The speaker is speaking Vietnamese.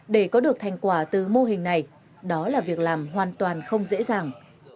để có được thành quả từ mô hình này đó là việc làm hoàn toàn không dễ dàng